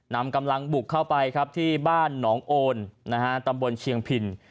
นำกำลังบุกเข้าไปครับที่บ้านหนองโอนตำบลเชียงพิน